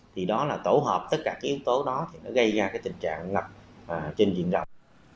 thì đó là tổ hợp tất cả các yếu tố đó thì nó gây ra cái tình trạng ngập trên diện rộng